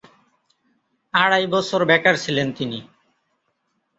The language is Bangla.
আড়াই বছর বেকার ছিলেন তিনি।